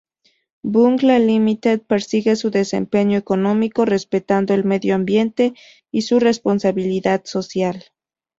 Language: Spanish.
Bunge Limited persigue su desempeño económico respetando el medio ambiente y su responsabilidad social.